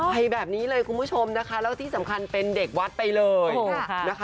ไปแบบนี้เลยคุณผู้ชมนะคะแล้วที่สำคัญเป็นเด็กวัดไปเลยนะคะ